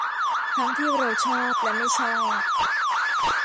ทั้งที่เราชอบและไม่ชอบ